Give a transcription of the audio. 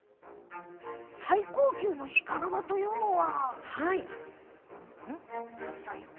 最高級の鹿革というのは？